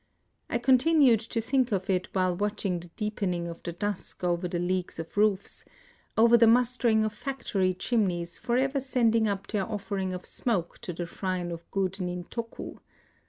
I continued to think of it' while watching the deepening of the dusk over the leagues of roofs, — over the mustering of factory chimneys forever sending up their offering of smoke to the shrine of good Nin toku.